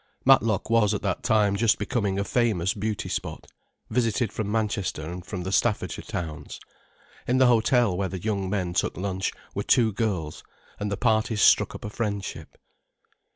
Matlock was at that time just becoming a famous beauty spot, visited from Manchester and from the Staffordshire towns. In the hotel where the young men took lunch, were two girls, and the parties struck up a friendship.